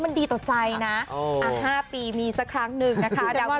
มันดีต่อใจนะ๕ปีมีสักครั้งหนึ่งนะคะ